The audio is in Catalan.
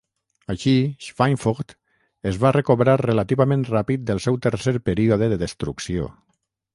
Així, Schweinfurt es va recobrar relativament ràpid del seu tercer període de destrucció.